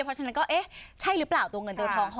เพราะฉะนั้นก็เอ๊ะใช่หรือเปล่าตัวเงินตัวทอง